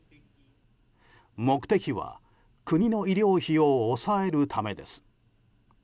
目的は国の医療費を抑えるためです。